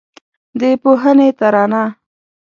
د پوهنې ترانه